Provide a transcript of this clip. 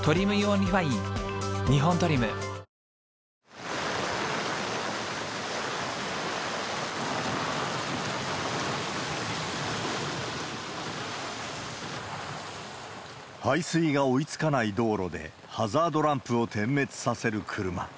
ではまず、排水が追いつかない道路で、ハザードランプを点滅させる車。